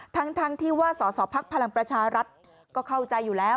ทั้งที่ว่าสสพลังประชารัฐก็เข้าใจอยู่แล้ว